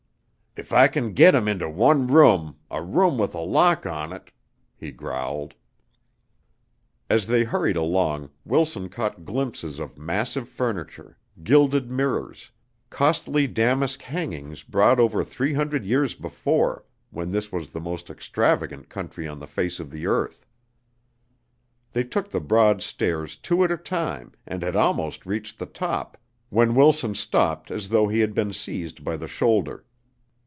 "If I can git 'em inter one room a room with a lock on 't," he growled. As they hurried along, Wilson caught glimpses of massive furniture, gilded mirrors, costly damask hangings brought over three hundred years before when this was the most extravagant country on the face of the earth. They took the broad stairs two at a time, and had almost reached the top when Wilson stopped as though he had been seized by the shoulder.